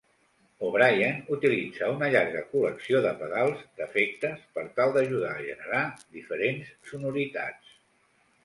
O'Brien utilitza una llarga col·lecció de pedals d'efectes per tal d'ajudar a generar diferents sonoritats.